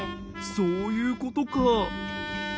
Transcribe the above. そういうことか。